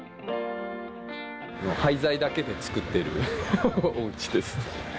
廃材だけで作っているおうちです。